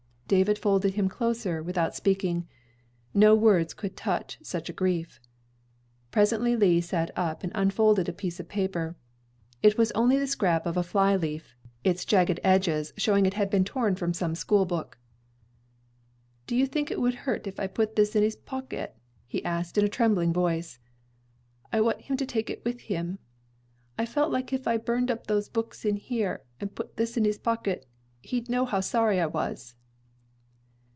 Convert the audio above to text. David folded him closer without speaking. No words could touch such a grief. Presently Lee sat up and unfolded a piece of paper. It was only the scrap of a fly leaf, its jagged edges showing it had been torn from some school book. "Do you think it will hurt if I put this in his pocket?" he asked in a trembling voice. "I want him to take it with him. I felt like if I burned up those books in here, and put this in his pocket, he'd know how sorry I was."